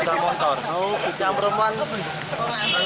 lalu perempuan melempar